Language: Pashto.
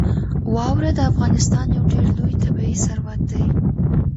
واوره د افغانستان یو ډېر لوی طبعي ثروت دی.